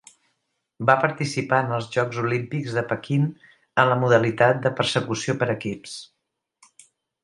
Va participar en els Jocs Olímpics de Pequín en la modalitat de Persecució per equips.